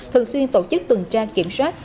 thường xuyên tổ chức tuần tra kiểm soát